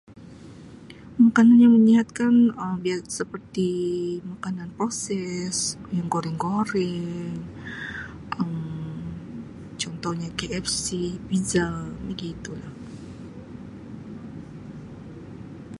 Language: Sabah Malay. Makanan yang menyihatkan Um seperti makanan proses yang goreng goreng Um contohnya KFC Pizza begitu lah.